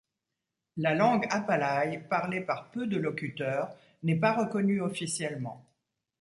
La langue apalai, parlée par peu de locuteurs, n'est pas reconnue officiellement.